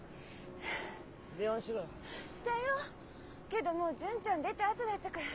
けどもう純ちゃん出た後だったから。